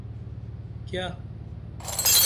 کِیہ؟